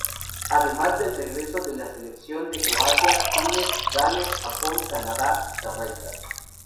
Además del regreso de las selecciones de Croacia, Túnez, Gales, Japón, Canadá y Jamaica.